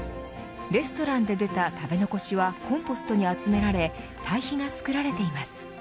レストランで出た食べ残しはコンポストに集められたい肥が作られています。